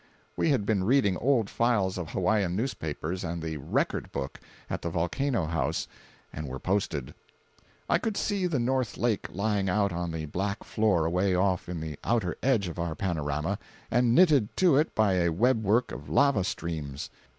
We had been reading old files of Hawaiian newspapers and the "Record Book" at the Volcano House, and were posted. I could see the North Lake lying out on the black floor away off in the outer edge of our panorama, and knitted to it by a web work of lava streams.